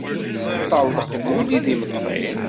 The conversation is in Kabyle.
Teṭṭerḍeq Guli d imeṭṭi.